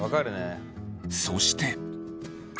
そして。